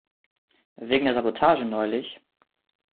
Wegen der Sabotage neulich?